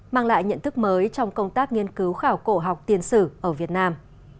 mang lại nhận thức mới trong công tác nghiên cứu khảo cổ học tiên sử ở việt nam